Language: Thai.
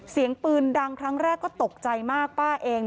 เสียงปืนดังครั้งแรกก็ตกใจมากป้าเอง